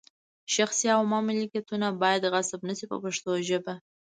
شخصي او عامه ملکیتونه باید غصب نه شي په پښتو ژبه.